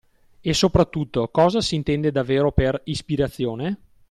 E soprattutto, cosa s’intende davvero per ispirazione?